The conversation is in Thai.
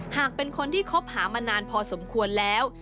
หากเป็นคนที่คบหามานานพอสมควรแล้ว